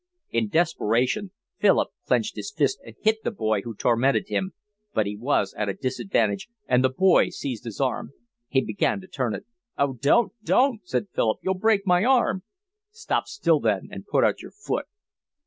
In desperation Philip clenched his fist and hit the boy who tormented him, but he was at a disadvantage, and the boy seized his arm. He began to turn it. "Oh, don't, don't," said Philip. "You'll break my arm." "Stop still then and put out your foot."